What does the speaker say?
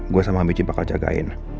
gue sama bikin bakal jagain